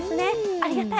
ありがたい！